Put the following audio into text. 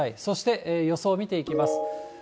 そして予想見ていきます。